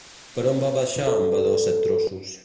Per on va baixar en Vadó Set-trossos?